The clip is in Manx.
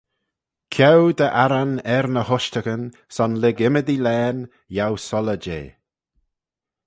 Ceau dty arran er ny ushtaghyn son lurg ymmodee laghyn yiow soylley jeh.